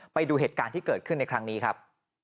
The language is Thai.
ไปดูเหตุการณ์ที่เกิดขึ้นในครั้งนี้ครับ